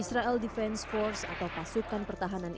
israel defense force atau pasukan pertahanan